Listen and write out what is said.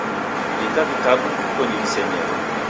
Wika vitabu mfukonyi visenyelo